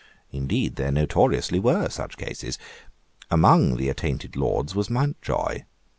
Indeed there notoriously were such cases. Among the attainted Lords was Mountjoy.